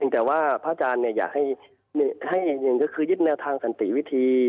แต่ว่าพระอาจารย์อยากให้ยึดแนวทางสันติวิธี